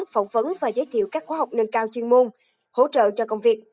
phỏng vấn và giới thiệu các khóa học nâng cao chuyên môn hỗ trợ cho công việc